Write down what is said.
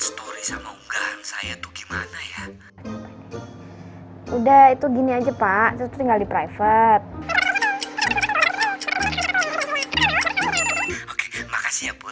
story sama unggahan saya tuh gimana ya udah itu gini aja pak